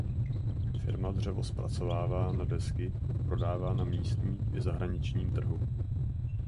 Firma dřevo zpracovává na desky a prodává na místním i zahraničním trhu.